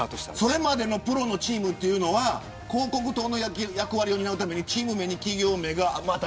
それまでのプロチームは広告塔の役割を担うためにチーム名に企業名が。